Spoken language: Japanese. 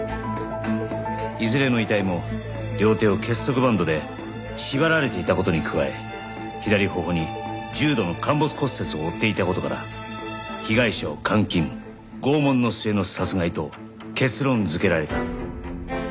いずれの遺体も両手を結束バンドで縛られていた事に加え左頬に重度の陥没骨折を負っていた事から被害者を監禁拷問の末の殺害と結論づけられた。